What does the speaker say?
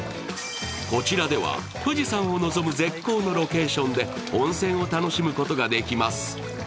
こちらでは富士山を臨む絶好のロケーションで温泉を楽しむことができます。